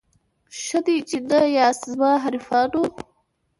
ښه دی چي نه یاست زما حریفانو